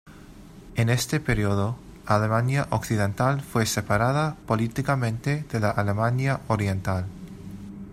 En este periodo, Alemania Occidental fue separada políticamente de la Alemania Oriental.